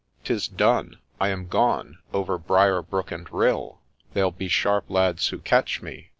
' 'Tis done !— I am gone !— over briar, brook, and rill ! They'll be sharp lads who catch me